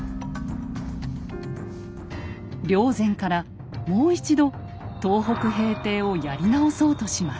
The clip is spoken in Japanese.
霊山からもう一度東北平定をやり直そうとします。